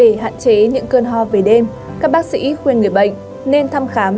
để hạn chế những cơn ho về đêm các bác sĩ khuyên người bệnh nên thăm khám